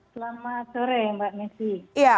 selamat sore mbak nisi